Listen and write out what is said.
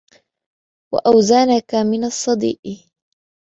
وَأَوْزَانَك مِنْ الصَّدِيءِ